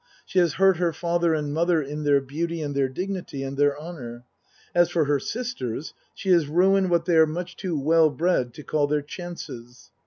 She has hurt her father and mother in their beauty and their dignity and their honour. As for her sisters, she has ruined what they are much too well bred to call their " chances."